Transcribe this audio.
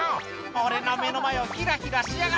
俺の目の前をヒラヒラしやがって！」